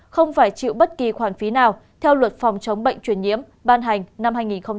không phải chịu bất kỳ khoản phí nào theo luật phòng chống bệnh chuyển nhiễm ban hành năm hai nghìn bảy